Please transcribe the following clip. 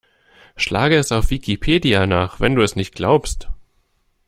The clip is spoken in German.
Schlage es auf Wikipedia nach, wenn du es nicht glaubst!